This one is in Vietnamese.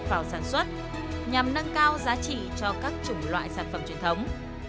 vào sản xuất nhằm nâng cao giá trị cho các chủng loại sản phẩm truyền thống